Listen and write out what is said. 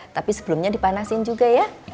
tapi sebelumnya dipanasin juga ya